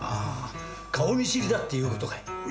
顔見知りだっていう事かい？